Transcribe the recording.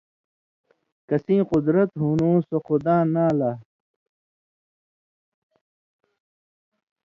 کسیں قُدرت ہُون٘دوں سو خداں ناں لا